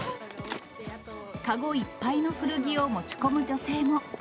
籠いっぱいの古着を持ち込む女性も。